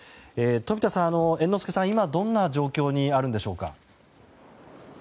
冨田さん、猿之助さんは今どんな状況にあるんでしょうか。